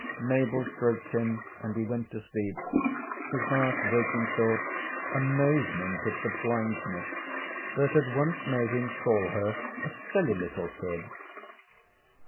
Mabel stroked him and he went to sleep, his last waking thought amazement at the blindness that had once made him call her a silly little kid.